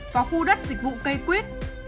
và khu đất dịch vụ cây quýt